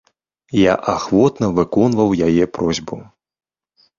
Я ахвотна выконваў яе просьбу.